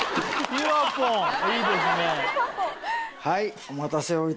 はい。